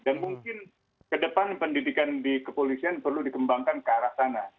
dan mungkin ke depan pendidikan di kepolisian perlu dikembangkan ke arah sana